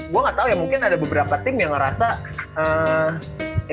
gue gak tau ya mungkin ada beberapa tim yang ngerasain ini gitu kan